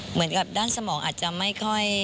เหมือนกับด้านสมองอาจจะไม่ค่อย